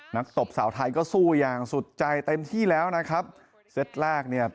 ตบสาวไทยก็สู้อย่างสุดใจเต็มที่แล้วนะครับเซตแรกเนี่ย